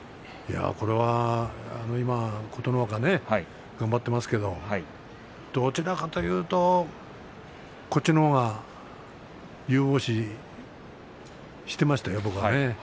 これは今、琴ノ若頑張っていますけれどどちらかというと琴勝峰のほうが有望視していましたよ、僕は。